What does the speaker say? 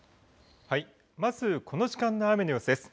まずこの時間の雨の様子です。